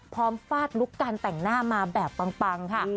ฟาดลุคการแต่งหน้ามาแบบปังค่ะ